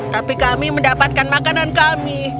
tapi kami mendapatkan makanan kami